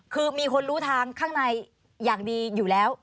คือมีคนรู้ทางข้างในอย่างดีอยู่แล้ว